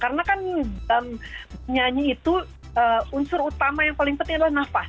karena kan nyanyi itu unsur utama yang paling penting adalah nafas